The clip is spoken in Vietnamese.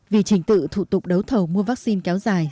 vì trình tự thủ tục đấu thầu mua vaccine kéo dài